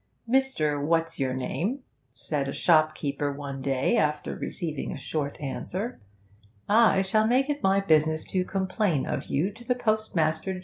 'Mr. What's your name,' said a shopkeeper one day, after receiving a short answer, 'I shall make it my business to complain of you to the Postmaster General.